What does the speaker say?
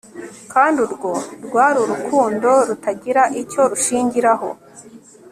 kandi urwo rwari urukundo rutagira icyo rushingiraho